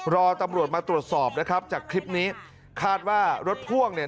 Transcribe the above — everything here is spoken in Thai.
รอตำรวจมาตรวจสอบนะครับจากคลิปนี้คาดว่ารถพ่วงเนี่ย